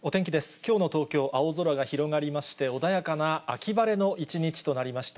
きょうの東京、青空が広がりまして、穏やかな秋晴れの一日となりました。